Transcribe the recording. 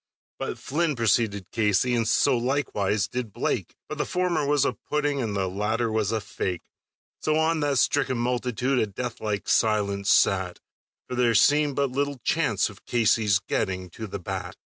But Flynn preceded Casey, and so likewise did Blake, But the former was a pudding, and the latter was a fake; So on that stricken multitude a death like silence sat, For there seemed but little chance of Casey's getting to the bat.